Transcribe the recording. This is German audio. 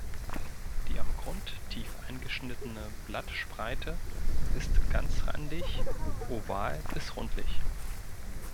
Die am Grund tief eingeschnittene Blattspreite ist ganzrandig oval bis rundlich.